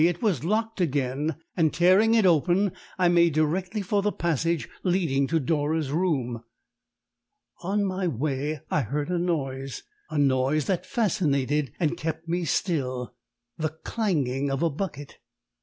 it was locked again!) and tearing it open, I made directly for the passage leading to Dora's room. On my way I heard a noise a noise that fascinated and kept me still the clanging of a bucket.